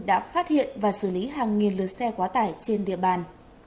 đã phát hiện và xử lý hàng nghìn lượt xe quá tải trên địa bàn